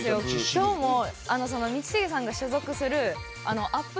今日も道重さんが所属するアップ